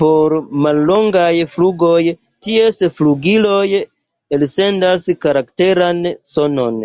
Por mallongaj flugoj ties flugiloj elsendas karakteran sonon.